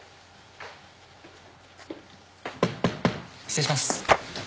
失礼します。